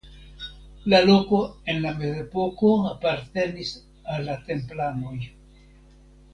La loko en la Mezepoko apartenis al la Templanoj.